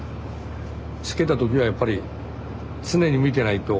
しけた時はやっぱり常に見てないと。